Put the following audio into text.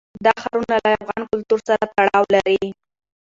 دا ښارونه له افغان کلتور سره تړاو لري.